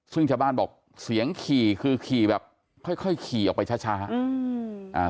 ซึ่งชาวบ้านบอกเสียงขี่คือขี่แบบค่อยขี่ออกไปช้า